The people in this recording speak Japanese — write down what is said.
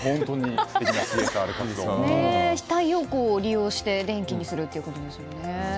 光を利用して電気にするということですよね。